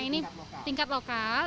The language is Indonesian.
nah ini tingkat lokal